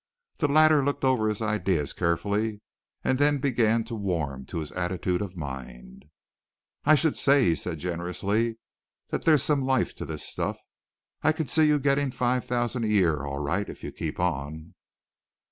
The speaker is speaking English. The latter looked over his ideas carefully and then began to warm to his attitude of mind. "I should say!" he said generously, "there's some life to this stuff. I can see you getting the five thousand a year all right if you keep on.